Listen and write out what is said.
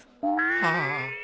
はあ。